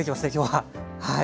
はい。